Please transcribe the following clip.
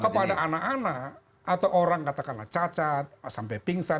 kepada anak anak atau orang katakanlah cacat sampai pingsan